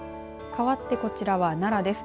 かわって、こちらは奈良です。